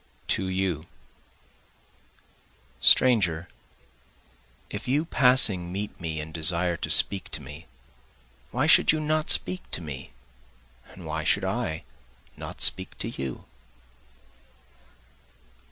To You Stranger, if you passing meet me and desire to speak to me, why should you not speak to me? And why should I not speak to you?